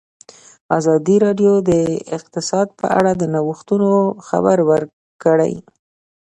ازادي راډیو د اقتصاد په اړه د نوښتونو خبر ورکړی.